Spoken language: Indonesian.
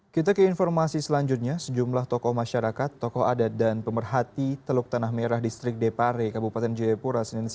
kita ke informasi selanjutnya sejumlah tokoh masyarakat tokoh adat dan pemerhati teluk tanah merah distrik depare kabupaten jayapura